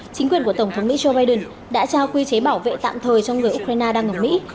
chính quyền của tổng thống mỹ joe biden đã trao quy chế bảo vệ tạm thời cho người ukraine đang ở mỹ